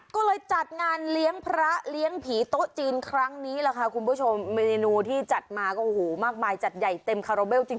ก็เลยจัดงานเลี้ยงพระเลี้ยงผีโต๊ะจีนครั้งนี้แหละค่ะคุณผู้ชมเมนูที่จัดมาก็โอ้โหมากมายจัดใหญ่เต็มคาราเบลจริง